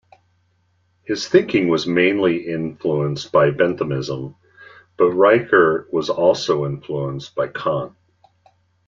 His thinking was mainly influenced by Benthamism, but Richert was also influenced by Kant.